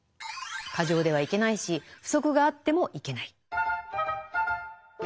過剰ではいけないし不足があってもいけない。